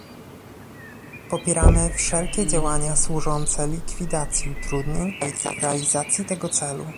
Popieramy wszelkie działania służące likwidacji utrudnień w realizacji tego celu